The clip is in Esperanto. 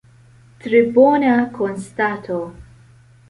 Tre bona konstato.